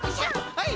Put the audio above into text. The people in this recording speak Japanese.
はい！